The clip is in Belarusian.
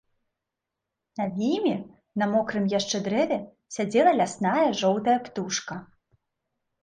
Над імі, на мокрым яшчэ дрэве, сядзела лясная жоўтая птушка.